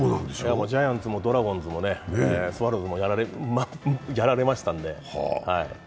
ジャイアンツもドラゴンズもスワローズもやられましたんで。